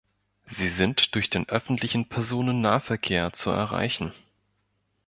Sie sind durch den öffentlichen Personennahverkehr zu erreichen.